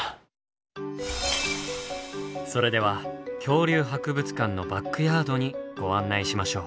それでは恐竜博物館のバックヤードにご案内しましょう。